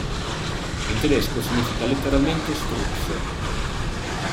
In tedesco significa letteralmente "struzzo".